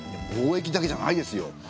貿易だけじゃないですよ。